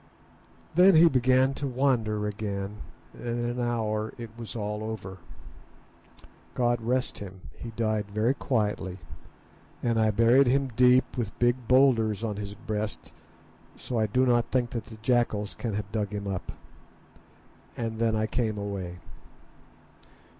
"Then he began to wander again, and in an hour it was all over. "God rest him! he died very quietly, and I buried him deep, with big boulders on his breast; so I do not think that the jackals can have dug him up. And then I came away."